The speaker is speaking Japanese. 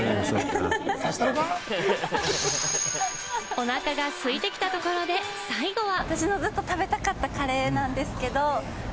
おなかがすいてきたところで最後は。